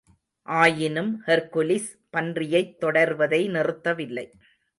ஆயினும், ஹெர்க்குலிஸ் பன்றியைத் தொடர்வதை நிறுத்தவில்லை.